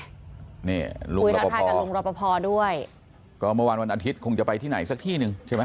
นี่ไงนี่ลุงรับพอด้วยก็เมื่อวานวันอาทิตย์คงจะไปที่ไหนสักที่หนึ่งใช่ไหม